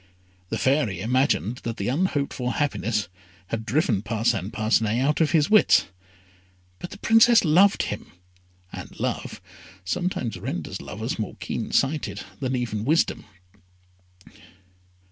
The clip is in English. The Fairy imagined that the unhoped for happiness had driven Parcin Parcinet out of his wits; but the Princess loved him, and love sometimes renders lovers more keen sighted than even wisdom.